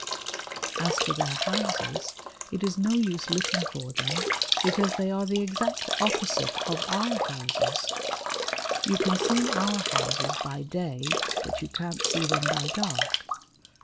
As for their houses, it is no use looking for them, because they are the exact opposite of our houses. You can see our houses by day but you can't see them by dark.